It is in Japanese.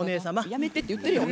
やめてって言ってるやん。